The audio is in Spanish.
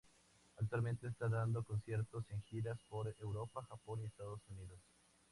Actualmente está dando conciertos en giras por Europa, Japón y Estados Unidos.